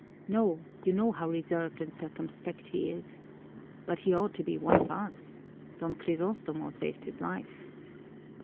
"No, you know how reserved and circumspect he is. But he ought to be one of us. Don Crisostomo saved his life."